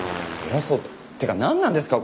ってかなんなんですか？